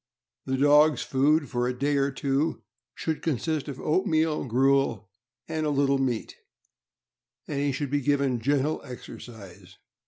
The dog's food, for a day or two, should consist of oatmeal gruel and a little meat, and he should be given gentle exercise.